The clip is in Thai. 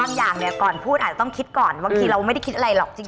อย่างเนี่ยก่อนพูดอาจจะต้องคิดก่อนบางทีเราไม่ได้คิดอะไรหรอกจริง